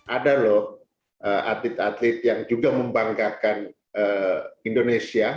ada loh atlet atlet yang juga membanggakan indonesia